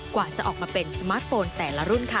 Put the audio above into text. กว่าจะออกมาเป็นสมาร์ทโฟนแต่ละรุ่นค่ะ